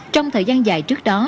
trong thời gian dài trước đó